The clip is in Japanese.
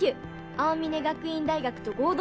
青峯学院大学と合同！